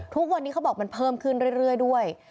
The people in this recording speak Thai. ทุกวันนี้เขาบอกมันเพิ่มขึ้นเรื่อยด้วย